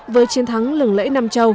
với chiến thắng lừng lễ năm châu